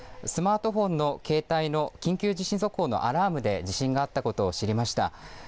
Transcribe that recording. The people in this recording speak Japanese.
スマートフォンの携帯の緊急地震速報のアラームで地震があったことを知りました。